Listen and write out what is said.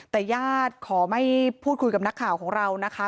แต่ญาติขอไม่พูดคุยกับนักข่าวของเรานะคะ